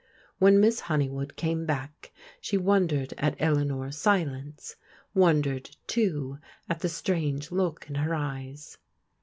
When Miss Hone3rwood came back she wondered at Eleanor's silence, wondered, too, at the strange look in her eyes.